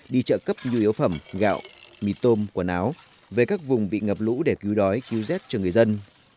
đi trợ cấp nhu yếu phẩm gạo mì tôm quần áo về các vùng bị ngập lũ để cứu đói cứu rét cho người dân